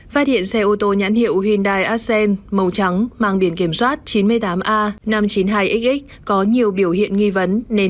phát hiện xe ô tô nhãn hiệu hyundai ascen màu trắng mang biển kiểm soát chín mươi tám a năm trăm chín mươi hai xx có nhiều biểu hiện nghi vấn